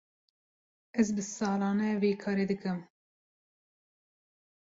Ez bi salan e vî karî dikim.